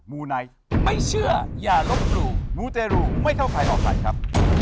มูไนท์ไม่เชื่ออย่าลบหลู่มูเตรูไม่เข้าใครออกใครครับ